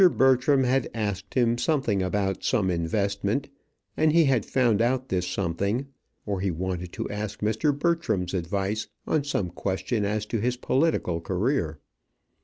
Bertram had asked him something about some investment, and he had found out this something; or he wanted to ask Mr. Bertram's advice on some question as to his political career.